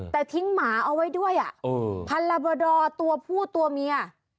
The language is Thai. แต่ทิ้งหมาเอาไว้ด้วยพันรบดอตัวผู้ตัวเมีย